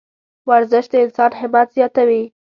ورزش د انسان همت زیاتوي.